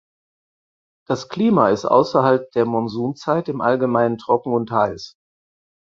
Das Klima ist außerhalb der Monsunzeit im Allgemeinen trocken und heiß.